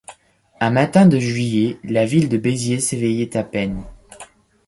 Un matin de juillet, la ville de Béziers s'éveillait à peine.